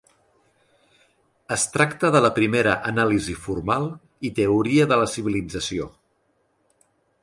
Es tracta de la primera anàlisi formal i teoria de la civilització.